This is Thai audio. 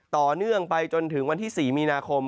ต่อเนื่องไปจนถึงวันที่๔มีนาคม